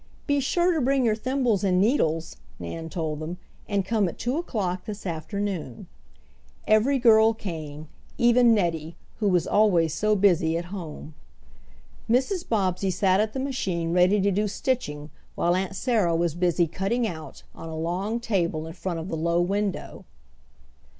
"Be sure to bring your thimbles and needles," Nan told them. "And come at two o'clock this afternoon." Every girl came even Nettie, who was always so busy at home. Mrs. Bobbsey sat at the machine ready to do stitching while Aunt Sarah was busy "cutting out" on a long table in front of the low window.